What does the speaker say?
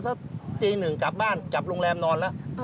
สักตีหนึ่งกลับบ้านกลับโรงแรมนอนแล้ว